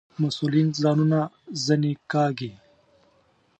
مسئولین ځانونه ځنې کاږي.